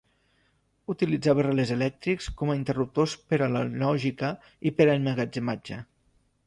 Utilitzava relés elèctrics com a interruptors per a la lògica i per a emmagatzematge.